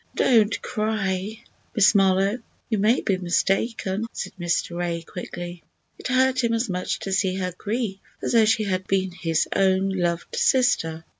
"Don't cry, Miss Marlowe! You may be mistaken," said Mr. Ray, quickly. It hurt him as much to see her grief as though she had been his own loved sister.